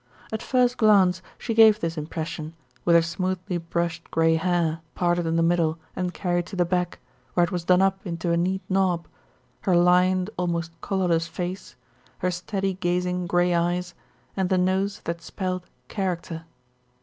At first glance she gave this impression, with her smoothly brushed grey hair, parted in the middle and carried to the back, where it was done up into a neat knob, her lined, almost colourless face, her steady gazing grey eyes and the nose that spelt character.